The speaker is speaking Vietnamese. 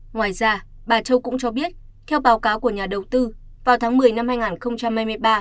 ngoài ra bà châu cũng cho biết theo báo cáo của nhà đầu tư vào tháng một mươi năm hai nghìn hai mươi ba